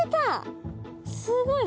すごい！